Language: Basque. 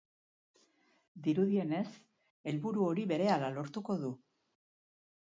Dirudienez, helburu hori berehala lortuko du.